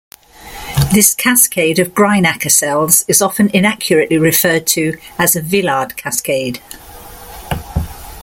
This cascade of Greinacher cells is often inaccurately referred to as a Villard cascade.